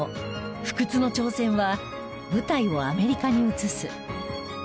不屈の挑戦は舞台をアメリカに移す。